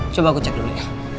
coba aku cek dulu ya